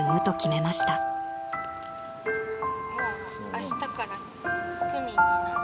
あしたから区民になる。